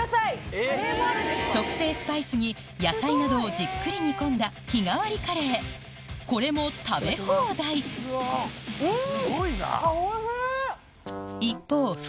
特製スパイスに野菜などをじっくり煮込んだこれも食べ放題うん！